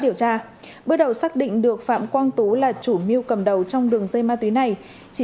của họ bước đầu xác định được phạm quang tú là chủ mưu cầm đầu trong đường dây ma túy này chỉ